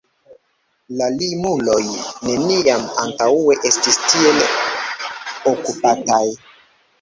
La Limuloj neniam antaŭe estis tiel okupataj.